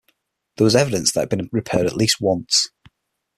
There was evidence that it had been repaired at least once.